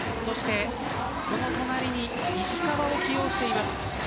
その隣に石川を起用しています。